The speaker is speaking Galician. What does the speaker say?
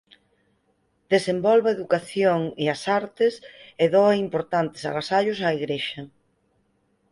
Desenvolve a educación e as artes e doa importantes agasallos á Igrexa.